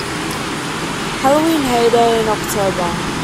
Halloween Heyday in October.